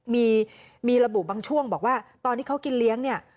มีระบุบางช่วงบอกว่าตอนที่เขากินเลี้ยงเนี่ย